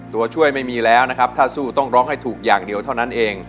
ตัวช่วยไม่มีแล้วนะครับถ้าสู้ต้องร้องให้ถูกอย่างเดียวเท่านั้นเอง